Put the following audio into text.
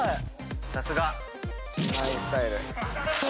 さすが。